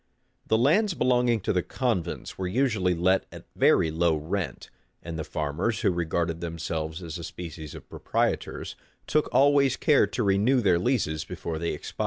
The lands belonging to the convents were usually let at very low rent; and the farmers, who regarded themselves as a species of proprietors, took always care to renew their leases before they expired.